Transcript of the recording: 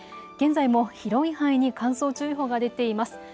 現在も広い範囲に乾燥注意報が出ています。